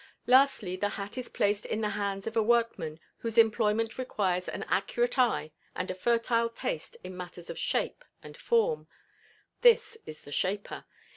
Lastly, the hat is placed in the hands of a workman whose employment requires an accurate eye and a fertile taste in matters of shape and form: this is the "shaper."